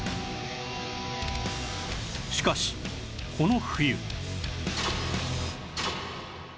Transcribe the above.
しかしこの冬